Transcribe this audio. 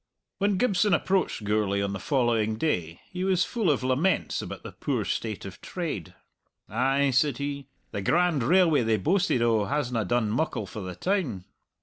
When Gibson approached Gourlay on the following day he was full of laments about the poor state of trade. "Ay," said he, "the grand railway they boasted o' hasna done muckle for the town!"